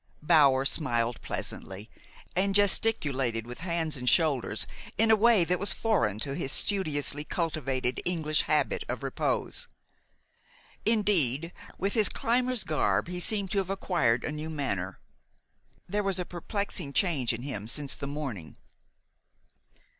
Bower smiled pleasantly, and gesticulated with hands and shoulders in a way that was foreign to his studiously cultivated English habit of repose. Indeed, with his climber's garb he seemed to have acquired a new manner. There was a perplexing change in him since the morning.